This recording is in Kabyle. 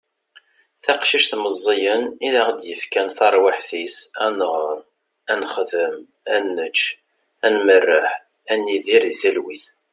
taqcict meẓẓiyen i aɣ-d-yefkan taṛwiḥt-is ad nɣeṛ, ad nexdem, ad nečč, ad merreḥ, ad nidir di talwit